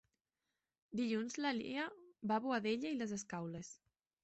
Dilluns na Lia va a Boadella i les Escaules.